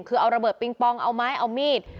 คือเอาระเบิดปิงปองเอาไม้เอามีด